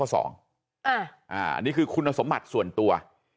อันนี้คือคุณสมบัติส่วนตัว